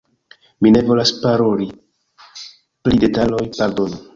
Mi ne volas paroli pri detaloj, pardonu.